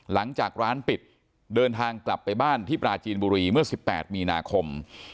หลังจากร้านปิดเดินทางกลับไปบ้านที่ปราจีนบุรีเมื่อ๑๘มีนาคม